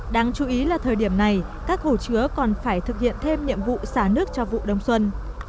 đáng chú ý là thời điểm này các hồ chứa còn phải thực hiện thêm nhiệm vụ xả nước cho vụ đông xuân